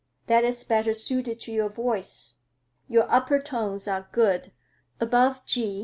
That is better suited to your voice. Your upper tones are good, above G.